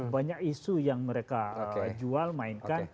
banyak isu yang mereka jual mainkan